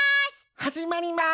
はじまります！